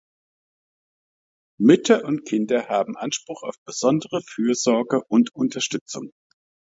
Mütter und Kinder haben Anspruch auf besondere Fürsorge und Unterstützung.